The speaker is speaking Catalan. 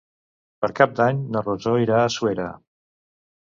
Per Cap d'Any na Rosó irà a Suera.